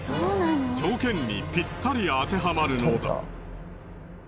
条件にぴったり当てはまるのだ。